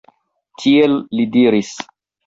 Tiel li diris.